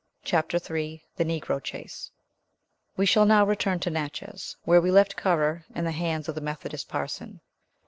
'" CHAPTER III THE NEGRO CHASE WE shall now return to Natchez, where we left Currer in the hands of the Methodist parson.